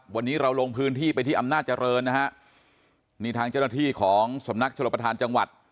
วันนี้เราลงพื้นที่ไปที่อำนาจเจริญนะฮะนี่ทางเจ้าหน้าที่ของสำนักชลประธานจังหวัด